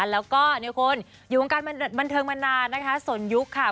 แล้วก็เนี่ยคุณอยู่วงการบันเทิงมานานนะคะสนยุคค่ะ